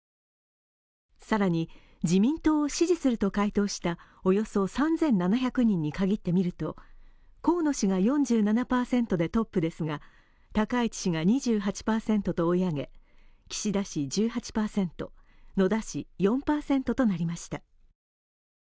更に、自民党を支持すると回答したおよそ３７００人にかぎってみると河野氏が４７％でトップですが高市氏が２８％と追い上げ、岸田氏１８％、野田氏４％となりました。